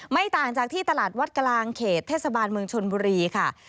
ไม่ต่างจากที่ตลาดวัดกลางเขตเทศบาลเมืองชนบุรีค่ะ